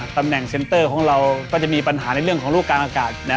ตำแหน่งเซ็นเตอร์ของเราก็จะมีปัญหาในเรื่องของลูกกลางอากาศ